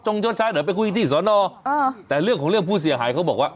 ย้อนซ้ายเดี๋ยวไปคุยที่สอนอแต่เรื่องของเรื่องผู้เสียหายเขาบอกว่า